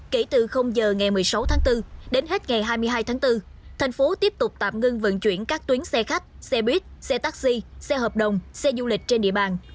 kể từ giờ ngày một mươi sáu tháng bốn đến hết ngày hai mươi hai tháng bốn thành phố tiếp tục tạm ngưng vận chuyển các tuyến xe khách xe buýt xe taxi xe hợp đồng xe du lịch trên địa bàn